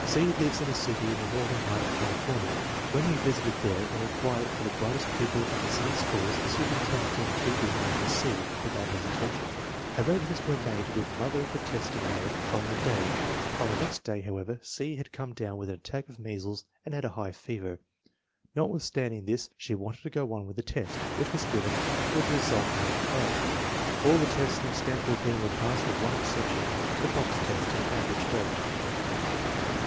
C. lives in a city in the northern part of California. When we visited there and inquired for the bright est pupil in the city schools, the superintendent and FORTY ONE SUPERIOR CHILDREN 317 teachers mentioned C. without hesitation. Arrange ments were made with the mother for testing her the following day. On the next day, however, C. had come down with an attack of measles and had a high fever. Notwithstanding this she wanted to go on with the test, which was given, with the result noted above. All the tests in the Stanford Binet were passed with one exception, the box test in Average Adult.